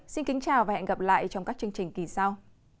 xin kính chào và hẹn gặp lại trong các chương trình kỳ sau